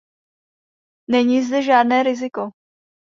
Není zde žádné riziko.